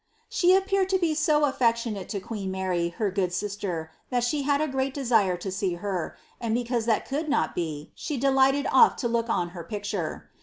•he appeared to be so affectionate to queen Mary, her good sister, ihe hiad a great desire to see her, and because that could not be, elighted oft to look on her picture.